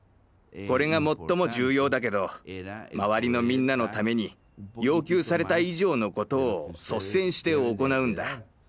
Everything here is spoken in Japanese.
これが最も重要だけど周りのみんなのために要求された以上のことを率先して行うんだ。